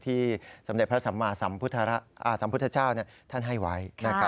สมเด็จพระสัมมาสัมพุทธเจ้าท่านให้ไว้